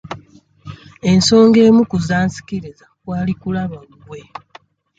Ensonga emu ku zansikiriza kwali kulaba gwe.